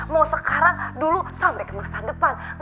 mau sekarang dulu sampai ke masa depan